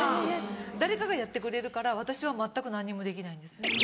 誰かがやってくれるから私は全く何にもできないんです。